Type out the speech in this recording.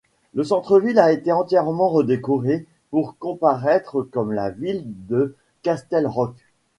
Le centre-ville a totalement été redécoré pour comparaitre comme la ville de Castle Rock.